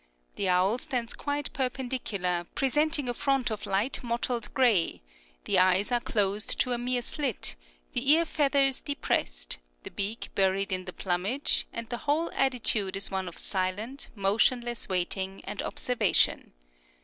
The owl stands quite perpendicular, presenting a front of light mottled gray; the eyes are closed to a mere slit, the ear feathers depressed, the beak buried in the plumage, and the whole attitude is one of silent, motionless waiting and observation.